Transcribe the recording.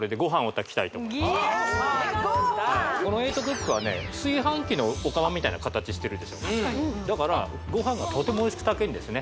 炊飯器のお釜みたいな形してるでしょだからご飯がとてもおいしく炊けんですね